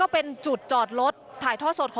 เป็นจุดจอดรถถ่ายท่อสด